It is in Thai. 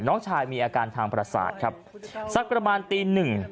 น้องชายมีอาการทางประสาทครับสักประมาณตีหนึ่ง